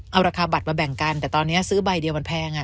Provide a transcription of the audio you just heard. เอาราคาบัตรมาแบ่งกันแต่ตอนนี้ซื้อใบเดียวมันแพง